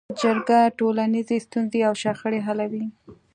جرګه ټولنیزې ستونزې او شخړې حلوي